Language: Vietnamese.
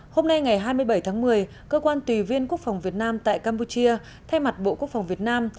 hôm nay ngày hai mươi bảy tháng một mươi cơ quan tùy viên quốc phòng việt nam tại campuchia thay mặt bộ quốc phòng việt nam